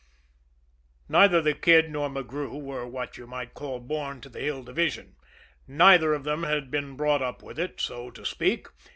Neither the Kid nor McGrew were what you might call born to the Hill Division; neither of them had been brought up with it, so to speak.